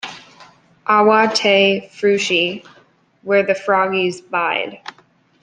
"Awa tae Freuchie where the froggies bide".